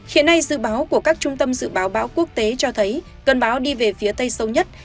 hiện nay dự báo của các trung tâm dự báo bão quốc tế cho thấy cơn bão đi về phía tây sâu nhất